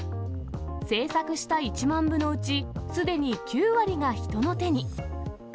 製作した１万部のうち、すでに９割が人の手に。